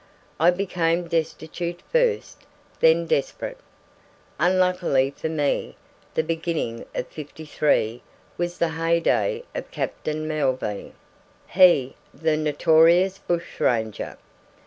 I became destitute first then desperate. Unluckily for me, the beginning of '53 was the hey day of Captain Melville, the notorious bushranger.